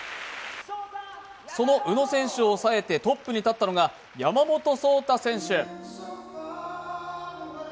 その宇野選手を抑えてトップに立ったのが山本草太選手。